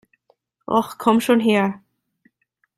Och, komm schon her!